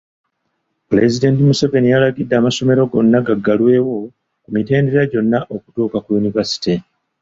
Pulezidenti Museveni yalagidde amasomero gonna gaggalewo ku mitendera gyonna okutuuka ku yunivaasite.